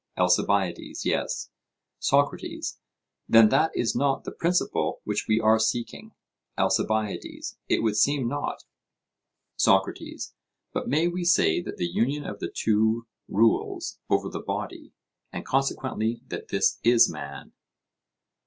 ALCIBIADES: Yes. SOCRATES: Then that is not the principle which we are seeking? ALCIBIADES: It would seem not. SOCRATES: But may we say that the union of the two rules over the body, and consequently that this is man?